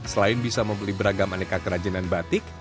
selain bisa membeli beragam aneka kerajinan batik